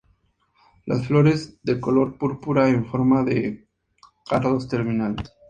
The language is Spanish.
Las flores de color púrpura en forma de cardos terminales.